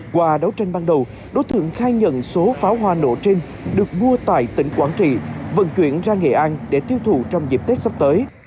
qua đấu tranh ban đầu đối tượng khai nhận số pháo hoa nổ trên được mua tại tỉnh quảng trị vận chuyển ra nghệ an để tiêu thụ trong dịp tết sắp tới